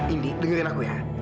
indi dengerin aku ya